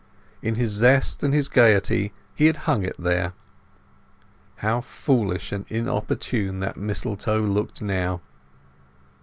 In his zest and his gaiety he had hung it there. How foolish and inopportune that mistletoe looked now.